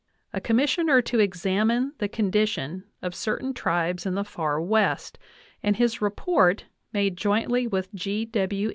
a commissioner to examine the condition of cer tain tribes in the Far West, and his report, made jointly with G. W.